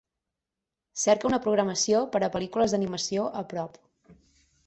Cerca una programació per a pel·lícules d'animació a prop,